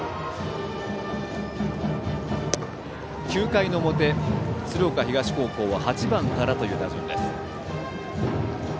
９回の表、鶴岡東高校は８番からという打順です。